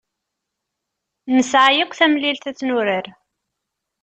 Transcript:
Nesɛa yakk tamlilt ad tt-nurar.